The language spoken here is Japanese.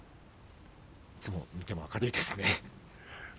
いつ見ても明るいですよね。